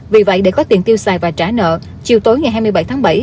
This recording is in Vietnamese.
vì vậy để có tiền tiêu xài và trả nợ chiều tối ngày hai mươi bảy tháng bảy